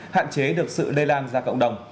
hạn chế được sự lây lan ra cộng đồng